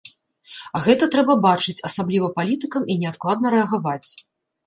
А гэта трэба бачыць, асабліва палітыкам, і неадкладна рэагаваць.